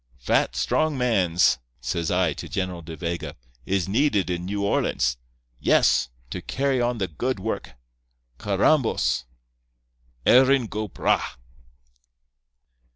"'Fat, strong mans,' says I to General De Vega, 'is needed in New Orleans. Yes. To carry on the good work. Carrambos! Erin go bragh!